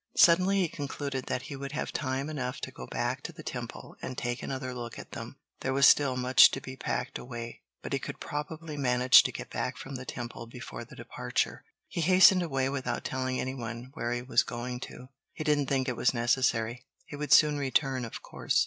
Suddenly he concluded that he would have time enough to go back to the Temple and take another look at them. There was still much to be packed away. He could probably manage to get back from the Temple before the departure. He hastened away without telling any one where he was going to. He didn't think it was necessary. He would soon return, of course.